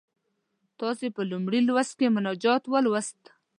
تاسې په لومړي لوست کې مناجات ولوست.